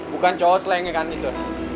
bukan cowok selengnya kan gitu